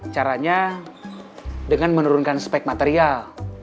caranya dengan menurunkan spek material